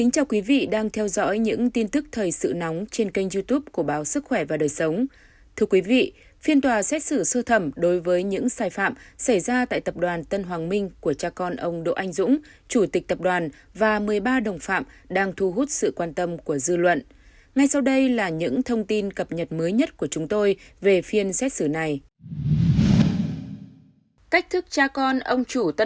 chào mừng quý vị đến với bộ phim hãy nhớ like share và đăng ký kênh của chúng mình nhé